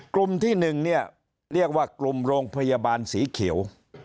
กลุ่มที่๑เนี่ยเรียกว่ากลุ่มโรงพยาบาลสีเขียว